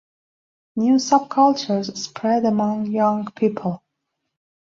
New subcultures spread among young people.